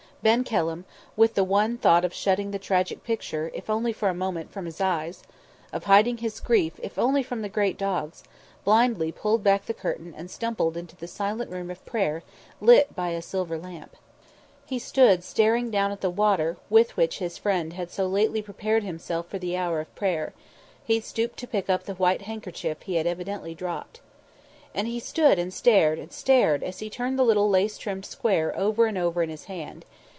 Ben Kelham, with the one thought of shutting the tragic picture, if only for a moment, from his eyes; of hiding his grief if only from the great dogs, blindly pulled back the curtain and stumbled into the silent room of prayer lit by a silver lamp. He stood staring down at the water with which his friend had so lately prepared himself for the hour of prayer; he stooped to pick up the white handkerchief he had evidently dropped. And he stood and stared and stared as he turned the little lace trimmed square over and over in his hand.